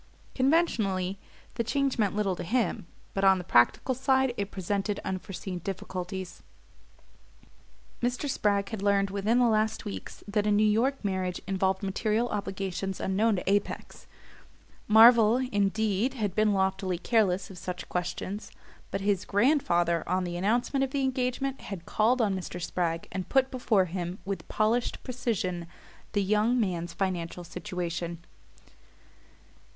Conventionally the change meant little to him; but on the practical side it presented unforeseen difficulties. Mr. Spragg had learned within the last weeks that a New York marriage involved material obligations unknown to Apex. Marvell, indeed, had been loftily careless of such questions; but his grandfather, on the announcement of the engagement, had called on Mr. Spragg and put before him, with polished precision, the young man's financial situation. Mr.